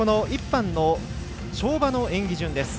１班の跳馬の演技順です。